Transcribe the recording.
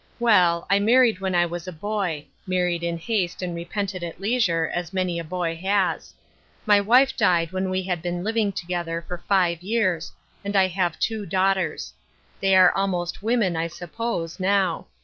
Well, I married when I was a ooy; married in haste and repented at leisure, as many a boy has. My wife died when we had been ii^dng together for five years, and I have two daughters. They are almost women, I sup pose, now.